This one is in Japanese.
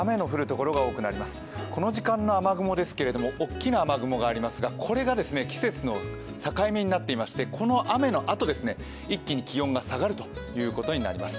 この時間の雨雲ですけれども、大きな雨雲がありますがこれが季節の境目になっていまして、この雨の後、一気に気温が下がるということになります。